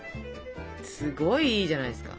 すごいいいじゃないですか。